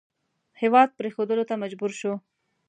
هېواد پرېښودلو ته مجبور شو.